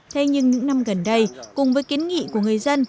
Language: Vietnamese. thế nhưng những năm gần đây cùng với kiến nghị của người dân